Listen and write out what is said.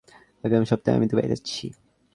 আগামী সপ্তাহে আমি দুবাই যাচ্ছি।